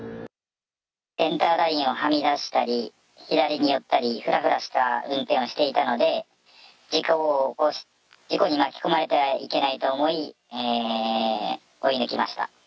センターラインをはみ出したり左に寄ったり、ふらふらした運転をしていたので、事故に巻き込まれてはいけないと思い、追い抜きました。